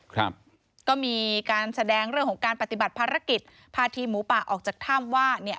ครับก็มีการแสดงเรื่องของการปฏิบัติภารกิจพาทีมหมูป่าออกจากถ้ำว่าเนี่ย